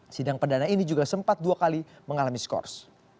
sidang perdana ini juga sempat dua kali mengalami skors